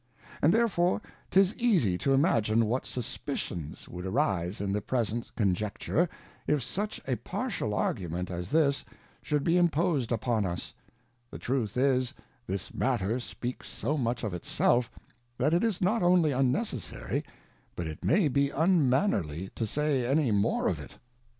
And therefore 'tis easie to imagine what suspicions would arise in the present conjuncture, if such a partial Argument as this should be impos'd upon us ; the truth is, this Matter speaks so much of it self, that it is not only unnecessary, but it may be unmannerly to say any more of it.